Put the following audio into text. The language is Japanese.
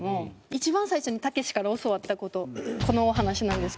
一番最初に『たけし』から教わった事このお話なんですけど。